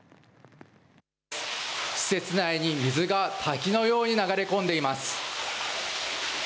施設内に水が滝のように流れ込んでいます。